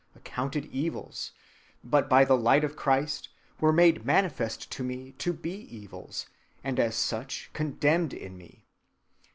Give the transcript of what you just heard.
19), accounted evils, but by the light of Christ were made manifest to me to be evils, and as such condemned in me.